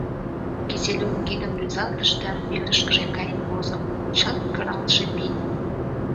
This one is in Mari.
Киселёв кидым рӱзалтыш да верышкыже каен возо, чылт кыралтше пий.